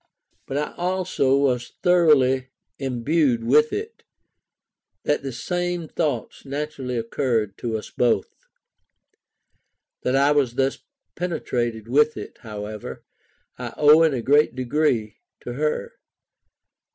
But I also was so thoroughly imbued with it, that the same thoughts naturally occurred to us both. That I was thus penetrated with it, however, I owe in a great degree to her.